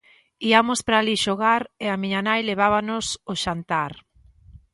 Iamos para alí xogar e a miña nai levábanos o xantar.